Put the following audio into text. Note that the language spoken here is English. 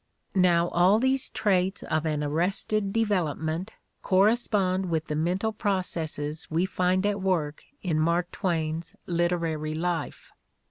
Now all these traits of an arrested development corre spond with the mental processes we find at work in Mark Twain's literary life.